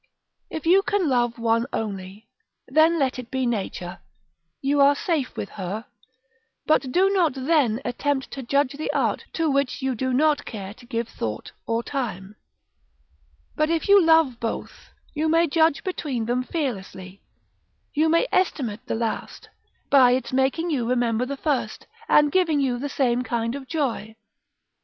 If you can love one only, then let it be Nature; you are safe with her: but do not then attempt to judge the art, to which you do not care to give thought, or time. But if you love both, you may judge between them fearlessly; you may estimate the last, by its making you remember the first, and giving you the same kind of joy.